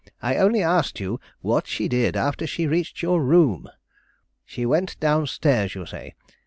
I only asked you what she did after she reached your room. She went down stairs, you say.